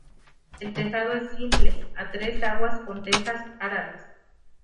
El tejado es simple, a tres aguas con tejas árabes.